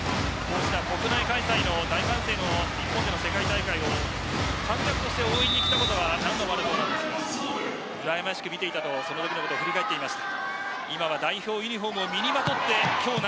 国内開催の大歓声の日本での世界大会に応援に行ったことは何度もあるそうですがうらやましく見ていたとそのときを振り返っていました。